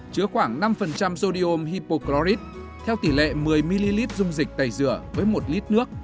chứa khoảng năm sodium hipocorit theo tỷ lệ một mươi ml dung dịch tẩy rửa với một lít nước